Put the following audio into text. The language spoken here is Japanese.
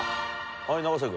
はい永瀬君。